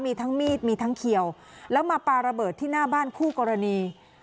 มีทั้งมีดมีทั้งเขียวแล้วมาปลาระเบิดที่หน้าบ้านคู่กรณี